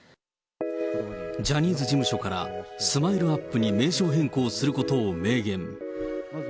ジャニーズ事務所からスマイルアップに名称変更することを明言。